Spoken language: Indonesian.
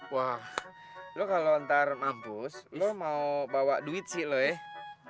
wah lo kalau antar kampus lo mau bawa duit sih lo ya